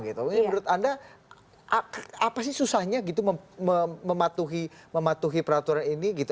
menurut anda apa sih susahnya mematuhi peraturan ini